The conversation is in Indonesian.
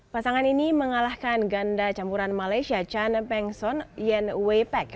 pasangan ini mengalahkan ganda campuran malaysia chan peng son yen weipek